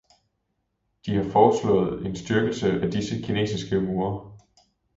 De har foreslået en styrkelse af disse kinesiske mure.